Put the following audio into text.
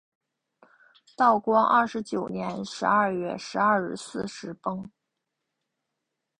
道光二十九年十二月十二日巳时崩。